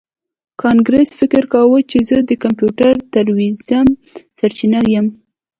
کانګرس فکر کاوه چې زه د کمپیوټري تروریزم سرچینه یم